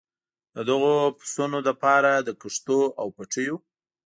د دغو پسونو لپاره د کښتونو او پټیو.